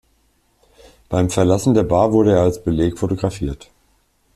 Beim Verlassen der Bar wurde er als Beleg fotografiert.